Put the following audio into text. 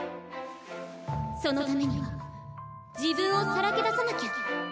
そのためには自分をさらけ出さなきゃ。